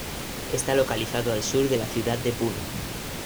Está localizado al sur de la ciudad de Puno.